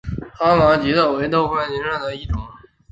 哈密棘豆为豆科棘豆属下的一个种。